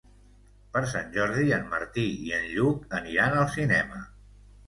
Per Sant Jordi en Martí i en Lluc aniran al cinema.